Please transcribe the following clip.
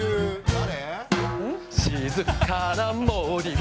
誰？